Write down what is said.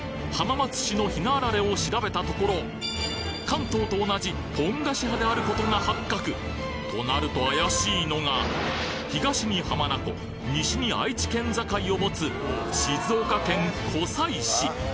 松市のひなあられを調べたところ関東と同じポン菓子派であることが発覚となると怪しいのが東に浜名湖西に愛知県境を持つ静岡県湖西市